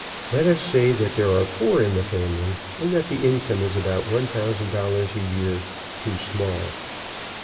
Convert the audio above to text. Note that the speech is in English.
Let us say that there are four in the family and that the income is about $1,000 per year too small.